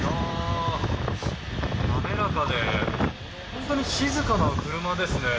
滑らかで本当に静かな車ですね。